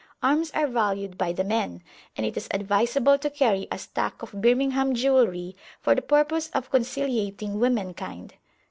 Arms are valued by the men, and it is advisable to carry a stock of Birmingham jewellery for the purpose of conciliating womankind.